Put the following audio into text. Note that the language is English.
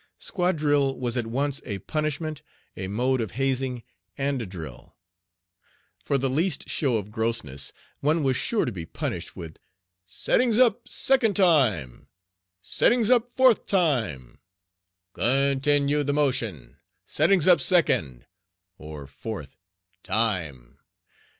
Squad drill was at once a punishment, a mode of hazing, and a drill. For the least show of grossness one was sure to be punished with "settings up, second time!" "settings up, fourth time! "Continue the motion, settings up second (or fourth) time!"